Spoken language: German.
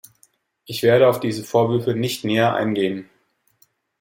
Ich werde auf diese Vorwürfe nicht näher eingehen.